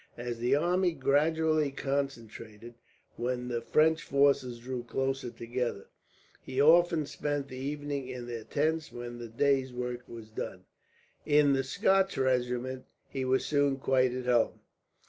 As the army gradually concentrated, when the French forces drew closer together, he often spent the evening in their tents when the day's work was done. In the Scotch regiment he was soon quite at home.